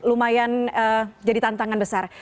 lumayan jadi tantangan besar